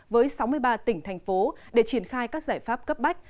với sáu mươi ba tỉnh thành phố để triển khai các giải pháp cấp bách